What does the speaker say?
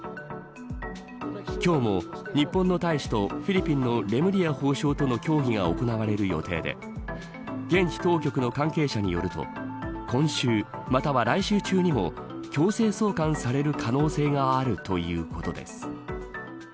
今日も日本の大使とフィリピンのレムリヤ法相との協議が行われる予定で現地当局の関係者によると今週、または来週中にも強制送還される可能性があるということです。